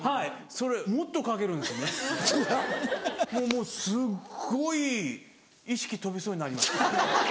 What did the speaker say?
もうすっごい意識飛びそうになりました。